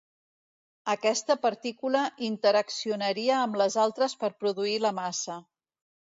Aquesta partícula interaccionaria amb les altres per produir la massa.